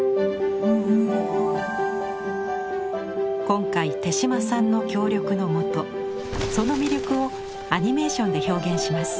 今回手島さんの協力のもとその魅力をアニメーションで表現します。